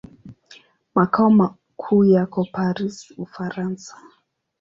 Makao makuu yako Paris, Ufaransa.